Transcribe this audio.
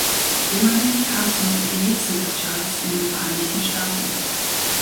Immerhin kam es noch in die Heatseekers Charts in den Vereinigten Staaten.